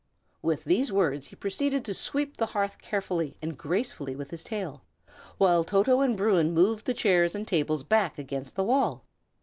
With these words he proceeded to sweep the hearth carefully and gracefully with his tail, while Toto and Bruin moved the chairs and tables back against the wall.